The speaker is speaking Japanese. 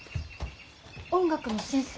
音楽の先生。